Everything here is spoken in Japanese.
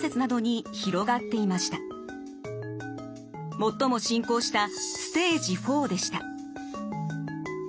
最も進行したステージ４でした。